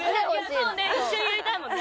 そうね一緒にやりたいもんね。